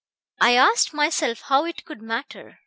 I asked myself how it could matter.